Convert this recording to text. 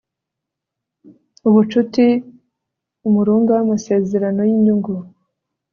ubucuti, umurunga w'amasezerano y'inyungu